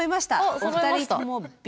お二人ともＢ。